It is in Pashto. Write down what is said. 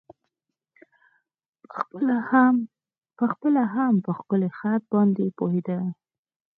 په خپله هم په ښکلی خط باندې پوهېده.